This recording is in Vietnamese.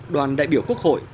đoàn đại biểu quốc hội